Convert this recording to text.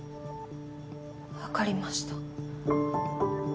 分かりました。